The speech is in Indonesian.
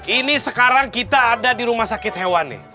ini sekarang kita ada di rumah sakit hewan nih